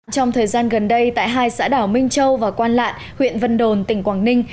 trong thời gian gần đây tại hai xã đảo minh châu và quan lạn huyện vân đồn tỉnh quảng ninh